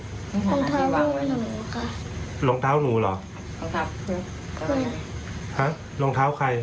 รองเท้าหนูก่อนรองเท้าหนูหรอรองเท้าฮะรองเท้าใคร